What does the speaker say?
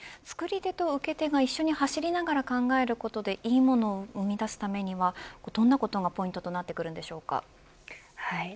作り手と受け手が一緒に走りながら考えることでいいものを生み出すためにはどんなことがポイントとなってくるんでしょうか。